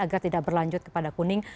agar tidak berlanjut kepada kuning